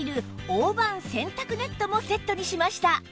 大判洗濯ネットもセットにしました